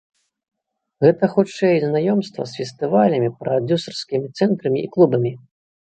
Гэта, хутчэй, знаёмства з фестывалямі, прадзюсарскімі цэнтрамі і клубамі.